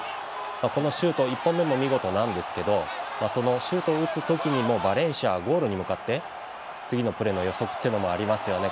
このシュート１本目も見事なんですがそのシュートを打つ時にもバレンシアはゴールに向かって次のプレーの予測というのもありますよね。